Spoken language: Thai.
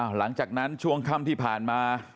หลังจากนั้นช่วงค่ำที่ผ่านมา